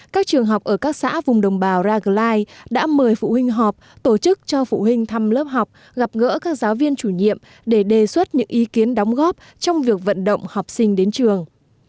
các trường học ở các xã vùng đồng bào raglai đã mời phụ huynh họp tổ chức cho phụ huynh thăm lớp học gặp gỡ các giáo viên chủ nhiệm để đề xuất những ý kiến đóng góp trong việc vận động học sinh đến trường